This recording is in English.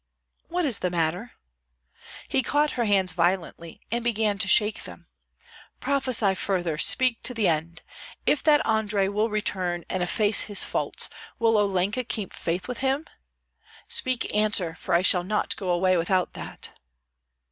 "What is the matter?" He caught her hands violently and began to shake them. "Prophesy further, speak to the end! If that Andrei will return and efface his faults, will Olenka keep faith with him? Speak, answer, for I shall not go away without that!"